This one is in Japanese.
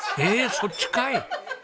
そっちかい！